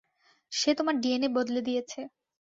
সে তোমার ডিএনএ বদলে দিয়েছে।